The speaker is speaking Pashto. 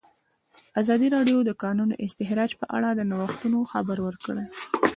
ازادي راډیو د د کانونو استخراج په اړه د نوښتونو خبر ورکړی.